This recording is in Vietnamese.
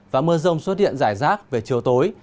và mưa rông xuất hiện rải rác về chiều tối